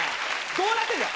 どうなってんだ？